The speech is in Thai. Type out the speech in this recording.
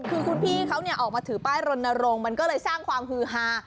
คือคุณพี่เขาออกมาถือป้ายรณรงค์มันก็เลยสร้างความฮือฮา